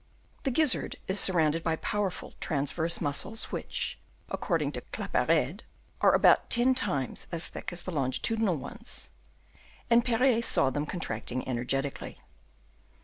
The gizzard is sur rounded by powerful transverse muscles, which, according to Claparede, are about ten times as thick as the longitudinal ones ; and Perrier saw them contracting energetically.